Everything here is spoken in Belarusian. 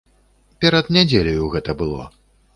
Перад нядзеляю гэта было.